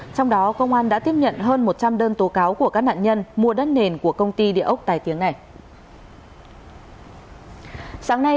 trong đó công an đã tiếp nhận hơn một trăm linh đơn tố cáo của các nạn nhân mua đất nền của công ty địa ốc tài tiếng này